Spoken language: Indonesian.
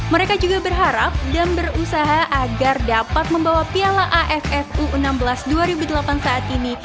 mereka juga berharap dan berusaha agar dapat membawa piala aff u enam belas dua ribu delapan saat ini